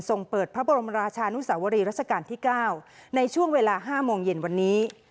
ส่งเปิดพระบรมราชานุสาวรีรัชกาลที่๙ในช่วงเวลา๕โมงเย็นวันนี้